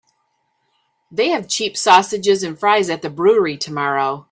They have cheap sausages and fries at the brewery tomorrow.